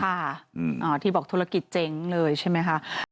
ค่ะอืมอ๋อที่บอกธุรกิจเจ๋งเลยใช่ไหมค่ะ